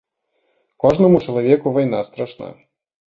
Кожнаму чалавеку вайна страшна.